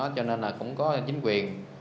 cho nên là cũng có chính quyền